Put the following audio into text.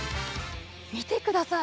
見てください。